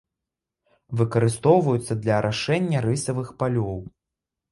Выкарыстоўваюцца для арашэння рысавых палёў.